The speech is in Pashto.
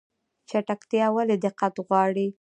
چټکتیا ولې دقت غواړي؟